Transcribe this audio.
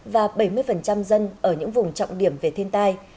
và bảy mươi dân ở những vùng trọng điểm về thiên tai